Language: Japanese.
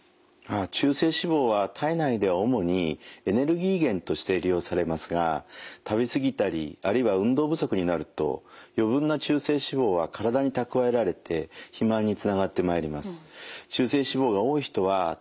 中性脂肪は体内では主にエネルギー源として利用されますが食べ過ぎたりあるいは運動不足になると余分な中性脂肪は体に蓄えられて肥満につながってまいります。